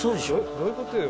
どういうことよ？